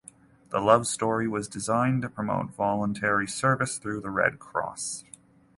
The love story was designed to promote voluntary service through the Red Cross.